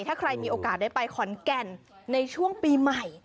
ถ้าใครมีโอกาสได้ไปขอนแก่นในช่วงปีใหม่